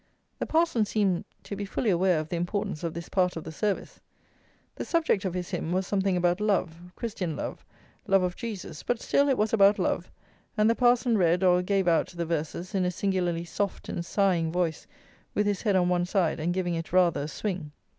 The parson seemed to be fully aware of the importance of this part of the "service." The subject of his hymn was something about love: Christian love; love of Jesus; but still it was about love; and the parson read, or gave out, the verses in a singularly soft and sighing voice, with his head on one side, and giving it rather a swing.